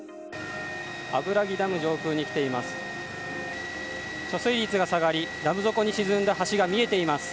油木ダム上空に来ています。